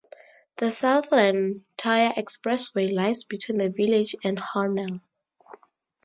The Southern Tier Expressway lies between the village and Hornell.